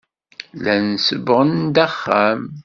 Llan sebbɣen-d axxam.